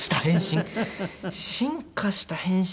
進化した変身！？